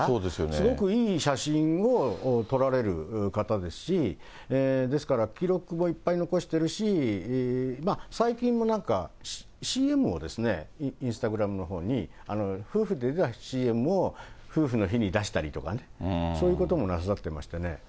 すごくいい写真を撮られる方ですし、ですから記録もいっぱい残してるし、最近もなんか、ＣＭを、インスタグラムのほうに夫婦で出たＣＭを、夫婦の日に出したりとかね、そういうこともなさってましたね。